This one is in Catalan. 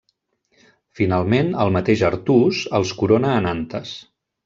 Finalment, el mateix Artús els corona a Nantes.